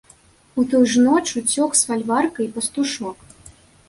У тую ж ноч уцёк з фальварка і пастушок.